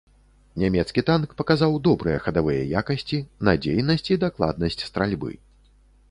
Нямецкі танк паказаў добрыя хадавыя якасці, надзейнасць і дакладнасць стральбы.